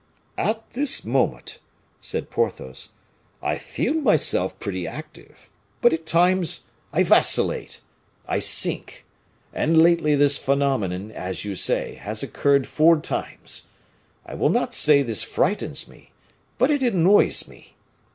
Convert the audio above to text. "At this moment," said Porthos, "I feel myself pretty active; but at times I vacillate; I sink; and lately this phenomenon, as you say, has occurred four times. I will not say this frightens me, but it annoys me.